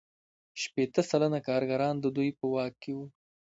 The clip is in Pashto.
شپیته سلنه کارګران د دوی په واک کې وو